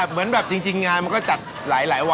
เหมือนแบบจริงงานมันก็จัดหลายวัน